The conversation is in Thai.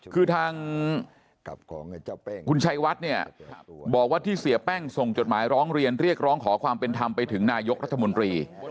คือทางคุณชัยวัดเนี่ยบอกว่าที่เสียแป้งส่งจดหมายร้องเรียนเรียกร้องขอความเป็นธรรมไปถึงนายกรัฐมนตรี